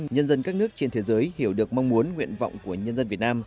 nhân dân các nước trên thế giới hiểu được mong muốn nguyện vọng của nhân dân việt nam